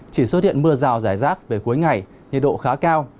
chỉ xuất hiện mưa rào rải rác về cuối ngày nhiệt độ khá cao